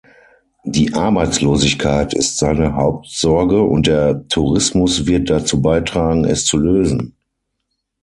Die Arbeitslosigkeit ist seine Hauptsorge und der Tourismus wird dazu beitragen, es zu lösen.